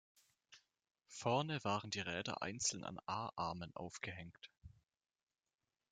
Vorne waren die Räder einzeln an A-Armen aufgehängt.